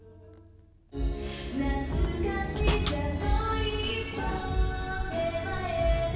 「懐かしさの一歩手前で」